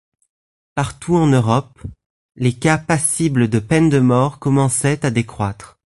Partout en Europe, les cas passibles de peine de mort commençaient à décroître.